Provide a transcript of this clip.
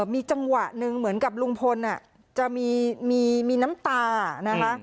มีจังหวะหนึ่งเหมือนกับลุงพลจะมีน้ำตานะคะ